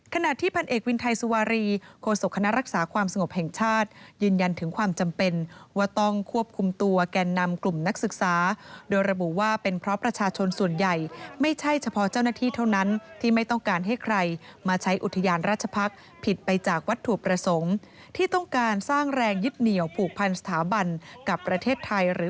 ขณะที่พันเอกวินไทยสุวารีโคศกคณะรักษาความสงบแห่งชาติยืนยันถึงความจำเป็นว่าต้องควบคุมตัวแก่นนำกลุ่มนักศึกษาโดยระบุว่าเป็นเพราะประชาชนส่วนใหญ่ไม่ใช่เฉพาะเจ้าหน้าที่เท่านั้นที่ไม่ต้องการให้ใครมาใช้อุทยานราชพักษ์ผิดไปจากวัตถุประสงค์ที่ต้องการสร้างแรงยึดเหนียวผูกพันสถาบันกับประเทศไทยหรือ